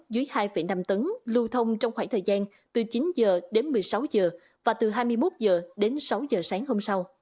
dưới hai năm tấn lưu thông trong khoảng thời gian từ chín giờ đến một mươi sáu giờ và từ hai mươi một h đến sáu giờ sáng hôm sau